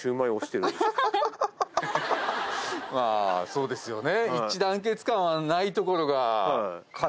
まあそうですよね。